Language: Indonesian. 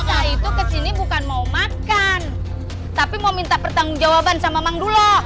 saya itu kesini bukan mau makan tapi mau minta pertanggung jawaban sama mang dulu